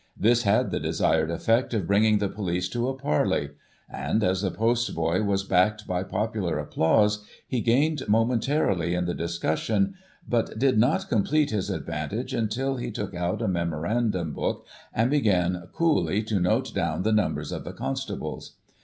This had the desired effect of bringing the police to a parley ; and, as the post boy was backed by popular applause, he gained momentarily in the discussion, but did not complete his advantage until he took out a memorandum book, and began, coolly, to note down the numbers of the constables.